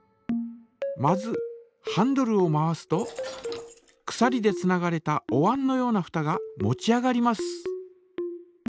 まずハンドルを回すとくさりでつながれたおわんのようなふたが持ち上がります。